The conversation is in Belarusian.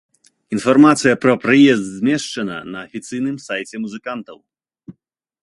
Інфармацыя пра прыезд змешчана на афіцыйным сайце музыкантаў.